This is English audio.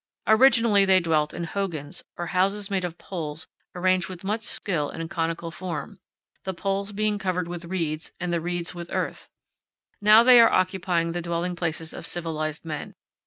Originally they dwelt in hogans, or houses made of poles arranged with much skill in conical form, the poles being covered with reeds and the reeds with earth; now they are copying the dwelling places of civilized men.